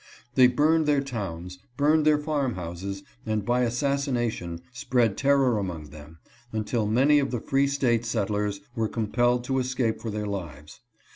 They burned their towns, burned their farm houses, and by assassination spread terror among them, until many of the free State settlers were compelled to escape for their lives.